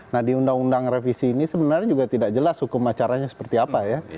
nah di undang undang revisi ini sebenarnya juga tidak jelas hukum acaranya seperti apa ya